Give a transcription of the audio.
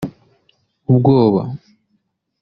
ubwoba